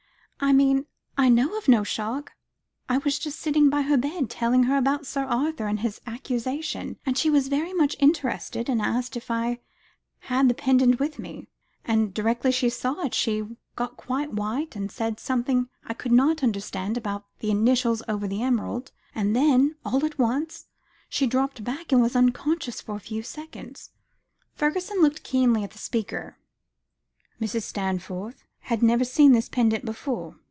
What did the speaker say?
"I mean, I know of no shock. I was just sitting by her bed, telling her about Sir Arthur and his accusation, and she was very much interested, and asked if I had the pendant with me. And directly she saw it, she got quite white, and she said something I could not understand, about the initials over the emerald; and then, all at once, she dropped back and was unconscious in a few seconds." Fergusson looked keenly at the speaker. "Mrs. Stanforth had never seen this pendant before?"